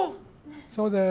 そうです。